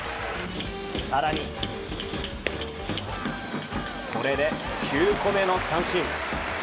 更に、これで９個目の三振。